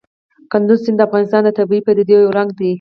کندز سیند د افغانستان د طبیعي پدیدو یو رنګ دی.